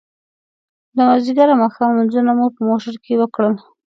د ماذيګر او ماښام لمونځونه مو په موټر کې وکړل.